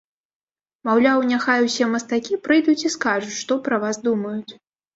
Маўляў, няхай усе мастакі прыйдуць і скажуць, што пра вас думаюць.